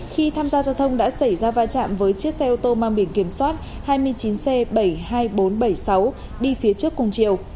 khi tham gia giao thông đã xảy ra va chạm với chiếc xe ô tô mang biển kiểm soát hai mươi chín c bảy mươi hai nghìn bốn trăm bảy mươi sáu đi phía trước cùng chiều